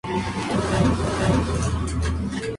Israel no emitió ninguna declaración con respecto al incidente.